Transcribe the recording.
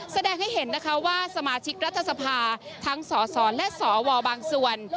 แสดงให้เห็นนะคะว่าสมาชิกรัฐสภาทั้งสสและสวบางส่วน